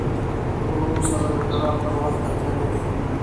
ورور سره د ژړا پر وخت تکیه لرې.